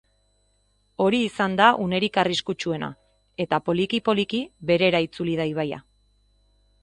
Hori izan da unerik arriskutsuena, eta poliki-poliki berera itzuli da ibaia.